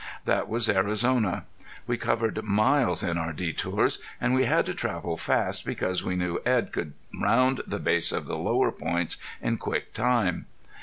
That was Arizona. We covered miles in our detours and we had to travel fast because we knew Edd could round the base of the lower points in quick time.